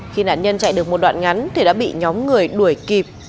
khi nạn nhân chạy được một đoạn ngắn thì đã bị nhóm người đuổi kịp